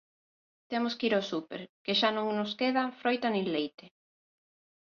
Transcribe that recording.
Temos que ir ao súper, que xa non nos queda froita nin leite.